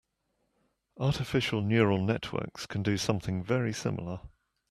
Artificial neural networks can do something very similar.